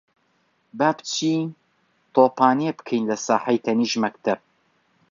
با بچین تۆپانێ بکەین لە ساحەی تەنیشت مەکتەب.